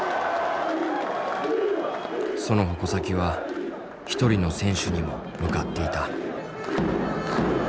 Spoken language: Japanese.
その矛先は一人の選手にも向かっていた。